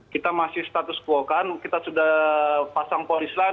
kita masih status quokan kita sudah pasang polis lain